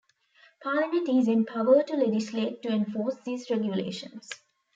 Parliament is empowered to legislate to enforce these regulations.